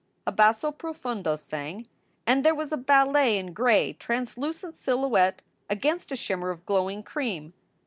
A basso profundo sang; and there was a ballet in gray translucent silhouette against a shimmer of glowing cream.